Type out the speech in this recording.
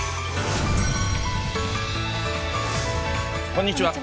こんにちは。